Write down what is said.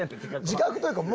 自覚というか。